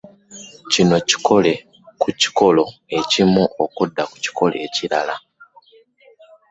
Kino kikole ku kikolo ekimu okudda ku kikolo ekirala